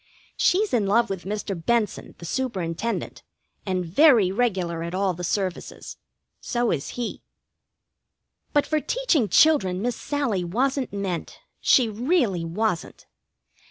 She's in love with Mr. Benson, the Superintendent, and very regular at all the services. So is he. But for teaching children Miss Sallie wasn't meant. She really wasn't.